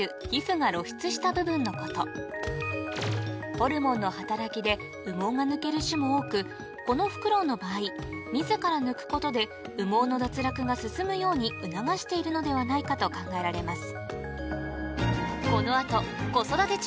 ホルモンの働きで羽毛が抜ける種も多くこのフクロウの場合自ら抜くことで羽毛の脱落が進むように促しているのではないかと考えられます